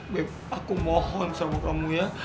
bip aku mohon sama kamu ya